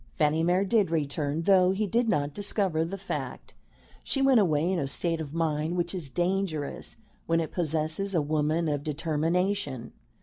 Fanny Mere did return, though he did not discover the fact. She went away in a state of mind which is dangerous when it possesses a woman of determination.